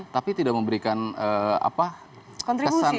tapi tidak memberikan kesan